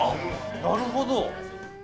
なるほど。